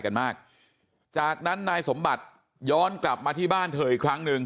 กันมากจากนั้นนายสมบัติย้อนกลับมาที่บ้านเธออีกครั้งหนึ่ง